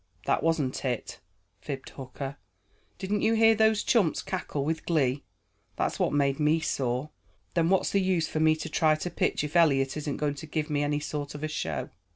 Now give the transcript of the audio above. "That wasn't it," fibbed Hooker. "Didn't you hear those chumps cackle with glee? That's what made me sore. Then what's the use for me to try to pitch if Eliot isn't going to give me any sort of a show?"